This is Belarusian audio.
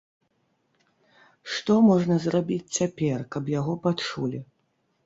Што можна зрабіць цяпер, каб яго пачулі?